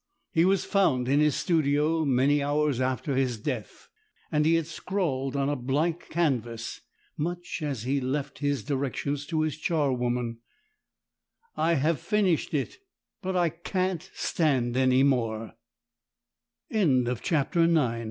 He was found in his studio many hours after his death ; and he had scrawled on a blank canvas, much as he left his directions to his charwoman :" I have finished it, but I can't stan